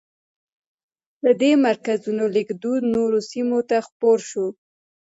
له دې مرکزونو لیکدود نورو سیمو ته خپور شو.